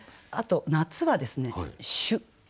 あと夏はですね朱。